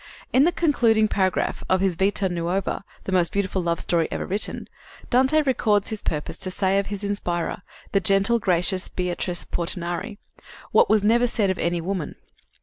In the concluding paragraph of his Vita Nuova the most beautiful love story ever written Dante records his purpose to say of his inspirer, the gentle, gracious Beatrice Portinari, "what was never said of any woman."